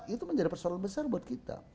itu menjadi persoalan besar buat kita